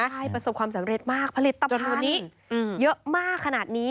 ใช่ประสบความสำเร็จมากผลิตภัณฑ์นี้เยอะมากขนาดนี้